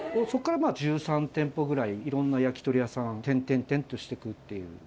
そこから１３店舗ぐらい、いろんな焼き鳥屋さんを転々々としていくっていう。